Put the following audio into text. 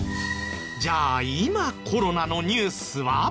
じゃあ今コロナのニュースは。